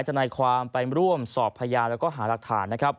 จัดนายความไปร่วมสอบพญาและหารักฐาน